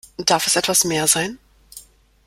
Darf es etwas mehr sein?